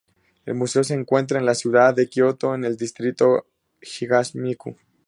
El museo se encuentra en la ciudad de Kioto, en el distrito "Higashiyama-ku".